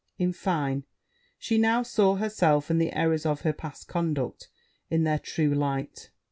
In fine, she now saw herself, and the errors of her past conduct, in their true light.